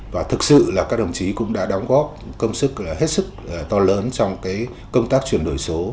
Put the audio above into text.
và thực sự là các đồng chí cũng đã đóng góp công sức hết sức to lớn trong công tác chuyển đổi số